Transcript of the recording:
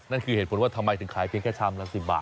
นั่นคือเหตุผลว่าทำไมถึงขายเพียงแค่ชามละ๑๐บาท